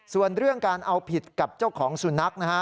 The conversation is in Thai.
ส่วนเรื่องการเอาผิดกับเจ้าของสุนัขนะฮะ